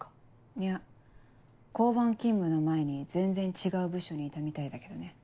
いや交番勤務の前に全然違う部署にいたみたいだけどね。